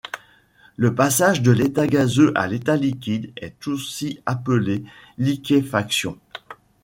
Le passage de l'état gazeux à l'état liquide est aussi appelé liquéfaction.